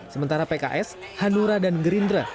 sementara pks hanura dan gerindra